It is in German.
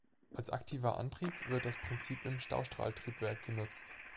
Als aktiver Antrieb wird das Prinzip im Staustrahltriebwerk genutzt.